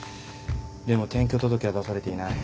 でも転居届は出されていない。